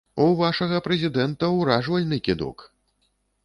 У вашага прэзідэнта ўражвальны кідок!